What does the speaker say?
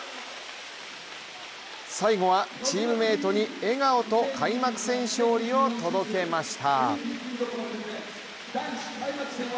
最後はチームメートに笑顔と開幕戦勝利を届けました。